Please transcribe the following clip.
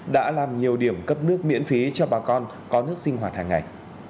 đã làm nhiều điểm cấp nước miễn phí cho bà con có nước sinh hoạt hàng ngày